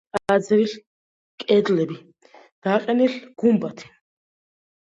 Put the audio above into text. აღმართეს ტაძრის კედლები, დააყენეს გუმბათი.